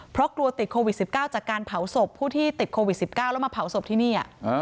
เพราะกลัวติดโควิด๑๙จากการเผาศพผู้ที่ติดโควิด๑๙แล้วมาเผาศพที่นี่